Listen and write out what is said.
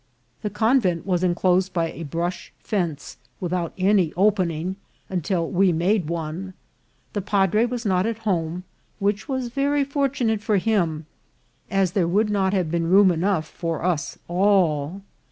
The convent was enclosed by a brush fence, without any opening until we made one. The padre was not at home, which was very fortunate for him, as there would not have been room enough for us alt.